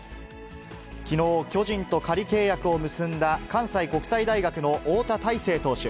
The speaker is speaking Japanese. きのう、巨人と仮契約を結んだ関西国際大学の翁田大勢投手。